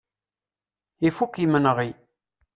Ifuk yimenɣi.